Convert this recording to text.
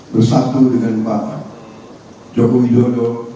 bersatu dengan pak jokowi djodoh